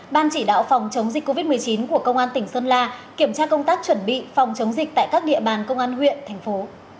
ban chỉ đạo phòng chống dịch covid một mươi chín của công an tỉnh sơn la kiểm tra công tác chuẩn bị phòng chống dịch tại các địa bàn công an huyện thành phố